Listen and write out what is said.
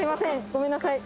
ごめんなさい。